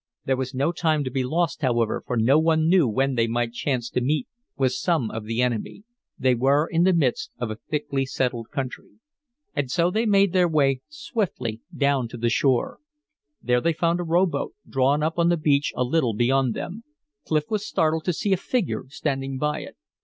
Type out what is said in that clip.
There was no time to be lost, however, for no one knew when they might chance to meet with some of the enemy; they were in the midst of a thickly settled country. And so they made their way swiftly down to the shore. There they found a rowboat, drawn up on the beach a little beyond them. Clif was startled to see a figure standing by it.